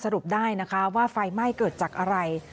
รุปได้นะคะว่าไฟไหม้เกิดจากอะไร